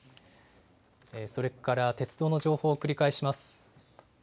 それから鉄道の情報を繰り返します。